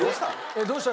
どうした？